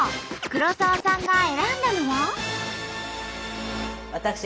黒沢さんが選んだのは。